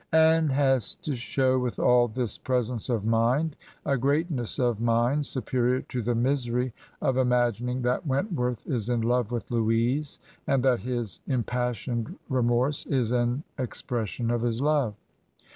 " Anne has to show, with all this pr^^.^ence of mind, a greatness of mind superior to the mi; ^ry of imagining that Wentworth is in love with Louisa, and that his im passioned remorse is an expression :S his love.